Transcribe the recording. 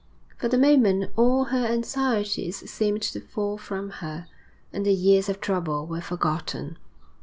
For the moment all her anxieties seemed to fall from her, and the years of trouble were forgotten.